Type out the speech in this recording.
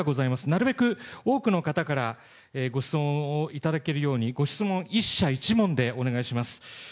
なるべく多くの方からご質問をいただけるように、ご質問１社１問でお願いします。